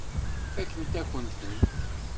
Fakkent-akent-ten.